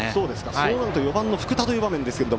そうなると４番の福田という場面ですが。